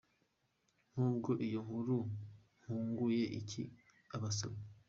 Nkubwo iyo nkuru yunguye iki abasomyi?.